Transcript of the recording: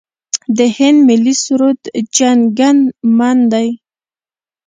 د هند ملي سرود جن ګن من دی.